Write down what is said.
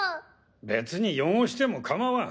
別に汚しても構わん。